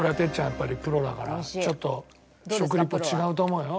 やっぱりプロだからちょっと食リポ違うと思うよ。